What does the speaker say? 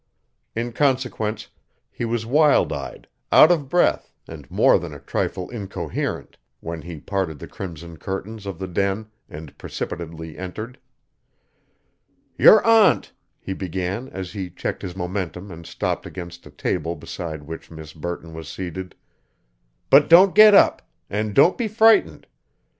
In consequence, he was wild eyed, out of breath and more than a trifle incoherent when he parted the crimson curtains of the den and precipitately entered. "Your aunt," he began as he checked his momentum and stopped against a table beside which Miss Burton was seated, "but don't get up and don't be frightened.